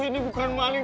ini bukan maling